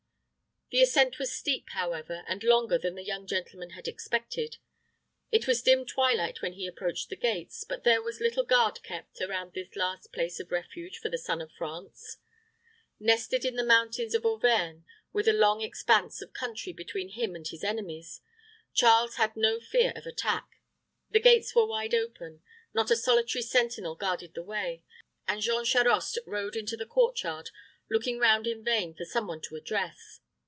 The ascent was steep, however, and longer than the young gentleman had expected. It was dim twilight when he approached the gates, but there was little guard kept around this last place of refuge of the son of France. Nested in the mountains of Auvergne, with a long, expanse of country between him and his enemies, Charles had no fear of attack. The gates were wide open, not a solitary sentinel guarded the way, and Jean Charost rode into the court yard, looking round in vain for some one to address.